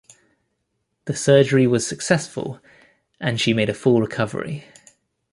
The surgery was successful, and she made a full recovery.